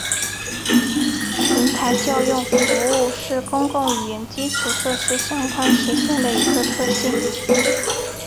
平台叫用服务是公共语言基础设施相关实现的一个特性。